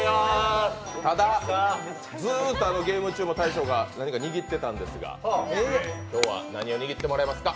ただ、ずっとあのゲーム中も大将がずっと握ってたんですが今日は何を握ってもらえますか？